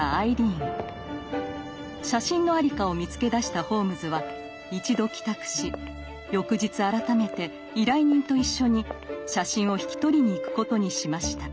写真の在りかを見つけ出したホームズは一度帰宅し翌日改めて依頼人と一緒に写真を引き取りに行くことにしました。